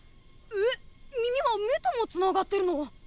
ええっ耳は目ともつながってるの？